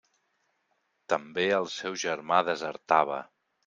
També el seu germà desertava.